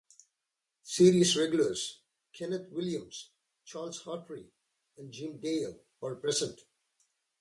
Series regulars Kenneth Williams, Charles Hawtrey and Jim Dale are present.